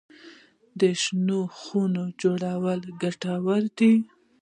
د شنو خونو جوړول ګټور دي؟